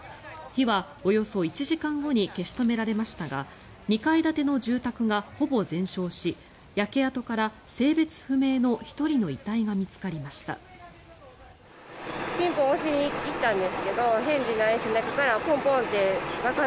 火はおよそ１時間後に消し止められましたが２階建ての住宅がほぼ全焼し焼け跡から性別不明の１人の遺体が見つかりました。